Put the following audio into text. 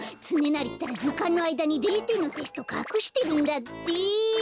つねなりったらずかんのあいだに０てんのテストかくしてるんだって。